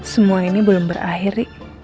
semua ini belum berakhir